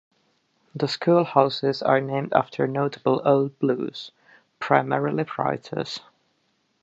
The school houses are named after notable Old Blues, primarily writers.